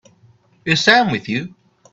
Is Sam with you?